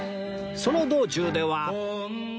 その道中では